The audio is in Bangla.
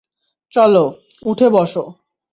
চলো, উঠে বসো।